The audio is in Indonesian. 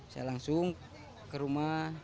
saya langsung ke rumah